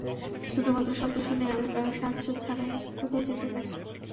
শুধুমাত্র শব্দ শুনেই, আমি কারও সাহায্য ছাড়াই কোথাও যেতে পারি।